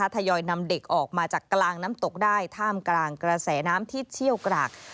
ทยอยนำเด็กออกมาจากกลางน้ำตกได้ท่ามกลางกระแสน้ำที่เชี่ยวกราก